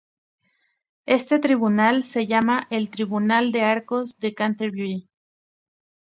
Este tribunal se llama el Tribunal de Arcos de Canterbury.